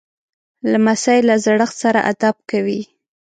لمسی له زړښت سره ادب کوي.